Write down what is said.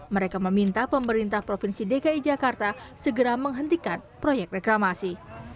mereka meminta pemerintah provinsi dki jakarta segera menghentikan proyek reklamasi